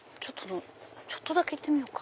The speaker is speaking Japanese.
ちょっとだけ行ってみようか。